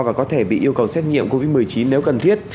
và có thể bị yêu cầu xét nghiệm covid một mươi chín nếu cần thiết